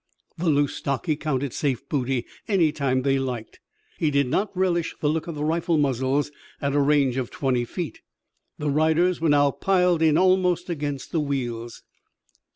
The loose stock he counted safe booty any time they liked. He did not relish the look of the rifle muzzles at a range of twenty feet. The riders were now piled in almost against the wheels.